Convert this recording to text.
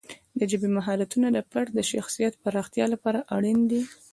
د ژبې مهارتونه د فرد د شخصیت پراختیا لپاره اړین دي.